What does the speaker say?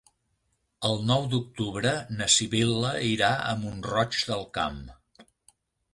El nou d'octubre na Sibil·la irà a Mont-roig del Camp.